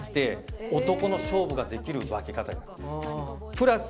プラス。